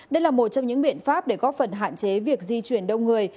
đây là một trong những biện pháp để góp phần hạn chế việc di chuyển đông người